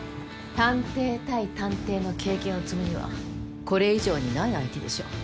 探偵対探偵の経験を積むにはこれ以上にない相手でしょう。